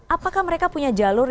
apakah mereka punya jalur